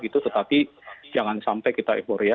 tetapi jangan sampai kita euforia